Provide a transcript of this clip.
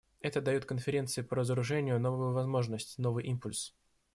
Это дает Конференции по разоружению новую возможность, новый импульс.